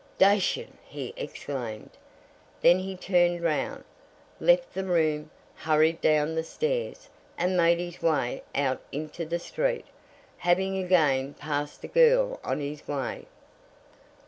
"D ation!" he exclaimed. Then he turned round, left the room, hurried down the stairs, and made his way out into the street, having again passed the girl on his way.